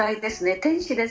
天使です。